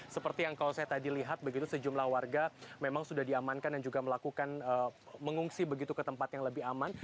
seperti yang kalau saya tadi lihat begitu sejumlah warga memang sudah diamankan dan juga melakukan mengungsi begitu ke tempat yang lebih aman